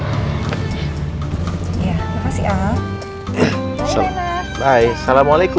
terima kasih al